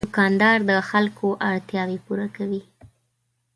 دوکاندار د خلکو اړتیاوې پوره کوي.